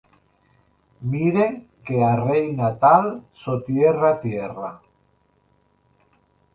Mire que a reina tal sotierra tierra.